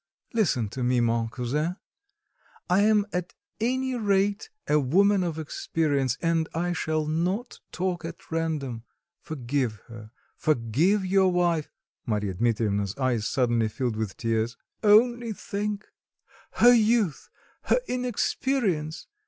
Listen to me, mon cousin. I am at any rate a woman of experience, and I shall not talk at random: forgive her, forgive your wife." Marya Dmitrievna's eyes suddenly filled with tears. "Only think: her youth, her inexperience...